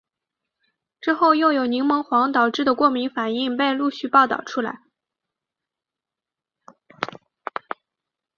之后又有柠檬黄导致的过敏反应被陆续报道出来。